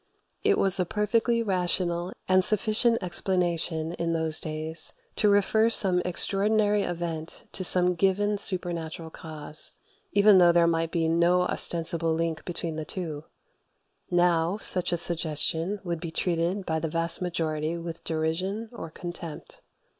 It was a perfectly rational and sufficient explanation in those days to refer some extraordinary event to some given supernatural cause, even though there might be no ostensible link between the two: now, such a suggestion would be treated by the vast majority with derision or contempt.